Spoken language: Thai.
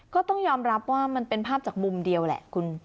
ก็ต้องยอมรับว่ามันเป็นภาพจากมุมเดียวแหละคุณ